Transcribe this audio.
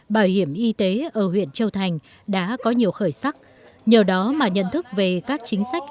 bảo hiểm y tế ở huyện châu thành đã có nhiều khởi sắc nhờ đó mà nhận thức về các chính sách